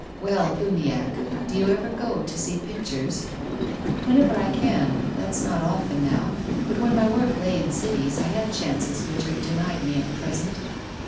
Well, Uniacke, do you ever go to see pictures ?"" Whenever I can. That's not often now. But when my work lay in cities I had chances which are denied me at present."